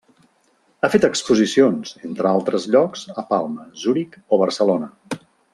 Ha fet exposicions, entre altres llocs, a Palma, Zuric o Barcelona.